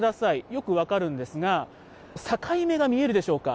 よく分かるんですが、境目が見えるでしょうか。